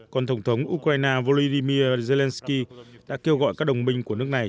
còn tổng thống ukraine volodymyr zelensky đã kêu gọi các đồng minh của nước này